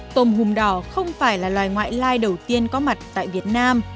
tôm hùm đỏ không phải là loài ngoại lai đầu tiên có mặt tại việt nam